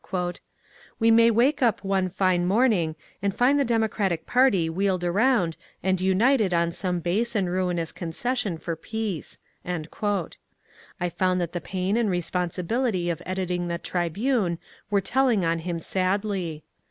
" We may wake up some fine morning and find the Democratic party wheeled around and united on some base and ruinous concession for peace." I found that the pain and responsibility of editing the " Trib une " were telling on him sadly.